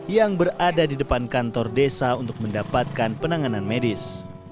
yang berada di depan kantor desa untuk mendapatkan penanganan medis